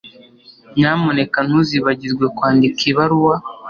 Nyamuneka ntuzibagirwe kwandika ibaruwa